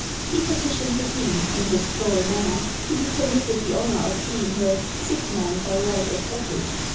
He petitioned the queen, in his droll manner, to be permitted the honour of being her Sick Man by right of office.